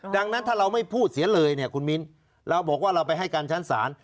ดังนั้นถ้าเราไม่พูดเสียเลยเนี่ยคุณมิ้นเราบอกว่าเราไปให้การชั้นศาล